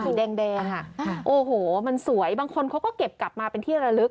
แดงโอ้โหมันสวยบางคนเขาก็เก็บกลับมาเป็นที่ระลึก